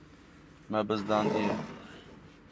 Me bizdandiye.